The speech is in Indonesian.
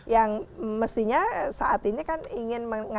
yang mestinya saat ini kan ingin mengatakan